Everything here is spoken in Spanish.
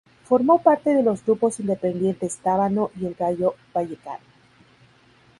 Formó parte de los grupos independientes Tábano y El Gayo Vallecano.